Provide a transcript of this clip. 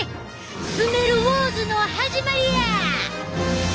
スメルウォーズの始まりや！